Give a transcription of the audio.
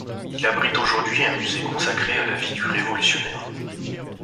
Il abrite aujourd'hui un musée consacré à la vie du révolutionnaire.